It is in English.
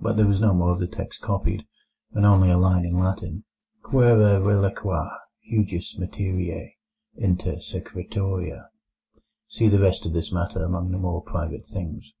But there was no more of the text copied, only a line in Latin: Quære reliqua hujus materiei inter secretiora. (See the rest of this matter among the more private things.)